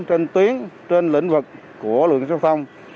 trên tuyến trên lĩnh vực của lực lượng cảnh sát giao thông